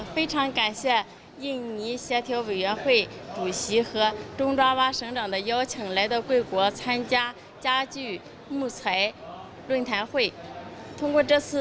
pada tahun dua ribu tujuh belas pdrb memiliki kekuatan yang sangat baik